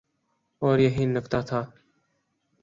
اوریہی نکتہ تھا۔